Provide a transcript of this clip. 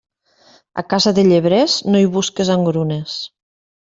A casa de llebrers, no hi busques engrunes.